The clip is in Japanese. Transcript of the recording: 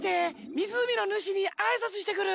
みずうみのヌシにあいさつしてくる！